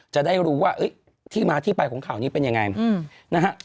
จะได้รู้ว่าที่มาที่ไปของข่าวนี้เป็นยังไงนะฮะ